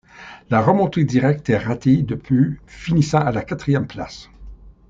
La remontée directe est ratée de peu finissant à la quatrième place.